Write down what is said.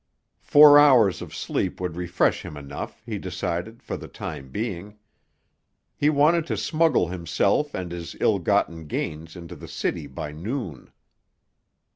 Four hours of sleep would refresh him enough, he decided, for the time being. He wanted to smuggle himself and his ill gotten gains into the city by noon.